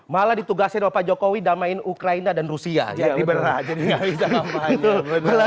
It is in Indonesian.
malah ditugasin bapak jokowi damaiin ukraina dan rusia jadi berakhirnya bisa ngapain itu